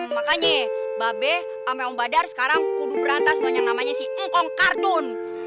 makanya babay sama om badar sekarang kudu berantas dengan yang namanya si ngkong kardun